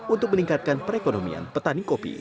untuk meningkatkan perekonomian petani kopi